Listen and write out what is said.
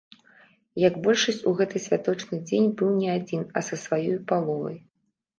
І як большасць у гэты святочны дзень быў не адзін, а са сваёю паловай.